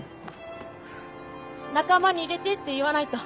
仲間に入れてって言わないと